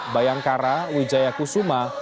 bayangkara wijaya kusuma